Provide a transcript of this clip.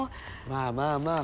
まあまあまあ。